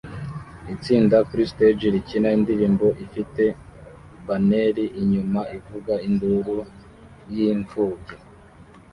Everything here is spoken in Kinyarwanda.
Itsinda kuri stage rikina indirimbo ifite banneri inyuma ivuga Induru y'imfubyi